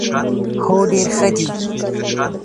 هو، ډیر ښه دي